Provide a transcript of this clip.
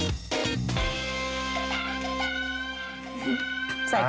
สวัสดีครับ